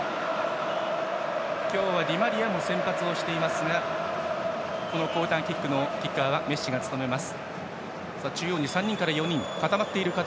今日はディマリアも先発していますがこのコーナーキックのキッカーはメッシが務めます。